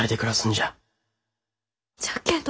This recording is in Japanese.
じゃけど。